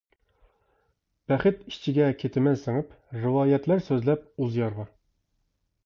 بەخت ئىچىگە كېتىمەن سىڭىپ، رىۋايەتلەر سۆزلەپ ئۇز يارغا.